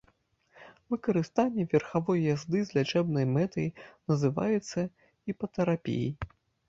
Выкарыстанне верхавой язды з лячэбнай мэтай называецца іпатэрапіяй.